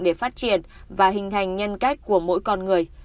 để phát triển và hình thành nhân cách của mỗi con người